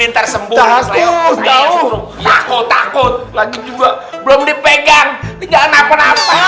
ini tersembun tahu takut takut lagi juga belum dipegang tinggal